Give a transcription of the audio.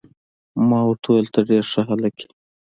ما ورته وویل: ته ډیر ښه هلک يې.